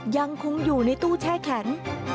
ยังคงอยู่ในตู้แช่แข็ง